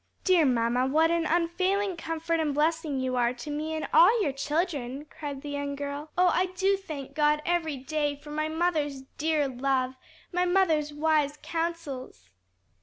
"Dear mamma, what an unfailing comfort and blessing you are to me and to all your children," cried the young girl. "Oh, I do thank God every day for my mother's dear love, my mother's wise counsels!"